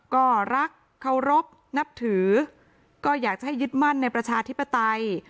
ก็รักเคารพนับถือก็อยากจะให้ยึดมั่นในประชาธิปไตย